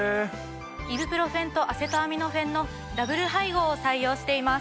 イブプロフェンとアセトアミノフェンのダブル配合を採用しています。